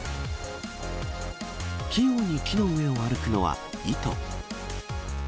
器用に木の上を歩くのは、イト。